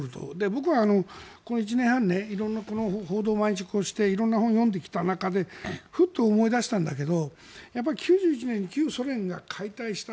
僕はこの１年半、色んな報道を色んな本を読んできた中でふと思い出したんだけど９１年に旧ソ連が解体した